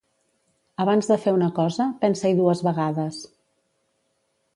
Abans de fer una cosa, pensa-hi dues vegades.